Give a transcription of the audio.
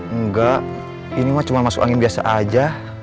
enggak ini mah cuma masuk angin biasa aja